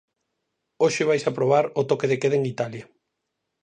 Hoxe vaise aprobar o toque de queda en Italia.